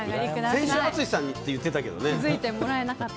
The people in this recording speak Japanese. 先週、淳さんって言ってたけどね。